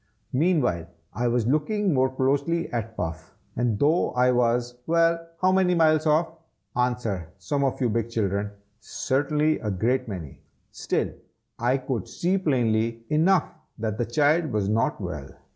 Meanwhile I was looking more closely at Puff, and though I was well, how many miles off? answer, some of you big children! certainly a great many! still I could see plainly enough that the child was not well.